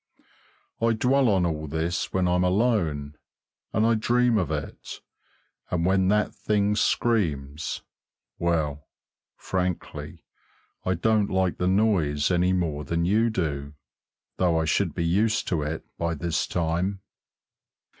I dwell on all this when I'm alone, and I dream of it, and when that thing screams well, frankly, I don't like the noise any more than you do, though I should be used to it by this time.